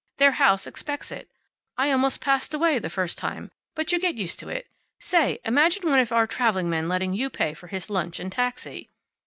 Their house expects it. I almost passed away, the first time, but you get used to it. Say, imagine one of our traveling men letting you pay for his lunch and taxi."